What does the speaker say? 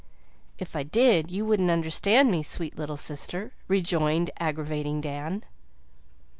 "If I did you wouldn't understand me, sweet little sister," rejoined aggravating Dan.